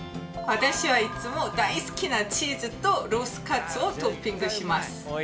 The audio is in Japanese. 私はいつも大好きなチーズとロースカツをトッピングします。